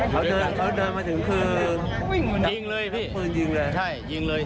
เขาเดินเขาเดินมาถึงคือยิงเลยพลิกปืนยิงเลยใช่ยิงเลย